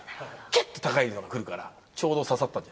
キュッと高いのが来るからちょうどささった。